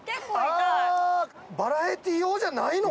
あバラエティー用じゃないの？